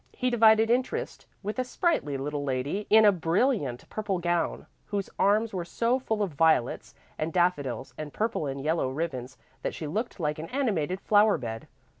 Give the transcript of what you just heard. He divided interest with a sprightly little lady in a brilliant purple gown, whose arms were so full of violets and daffodils and purple and yellow ribbons that she looked like an animated flower bed.